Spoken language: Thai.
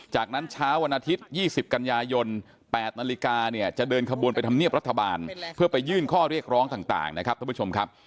จากนั้นเช้าวันอาทิตย์๒๐กันยายน๘นาฬิกาเนี่ยจะเดินขบวนไปทำเนียบรัฐบาลเพื่อไปยื่นข้อเรียกร้องต่างนะครับท่านผู้ชมครับ